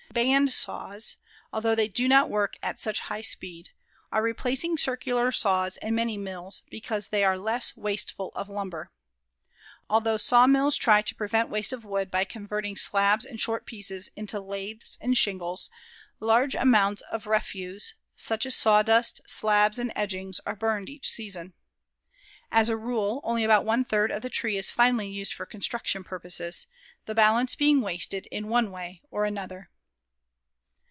Band saws, although they do not work at such high speed, are replacing circular saws in many mills because they are less wasteful of lumber. Although sawmills try to prevent waste of wood by converting slabs and short pieces into laths and shingles, large amounts of refuse, such as sawdust, slabs and edgings, are burned each season. As a rule, only about one third of the tree is finally used for construction purposes, the balance being wasted in one way or another.